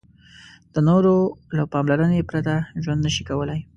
د نورو له پاملرنې پرته ژوند نشي کولای.